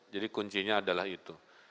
jadi kuncinya adalah itu